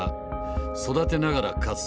「育てながら勝つ」